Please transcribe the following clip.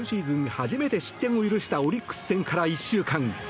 初めて失点を許したオリックス戦から１週間。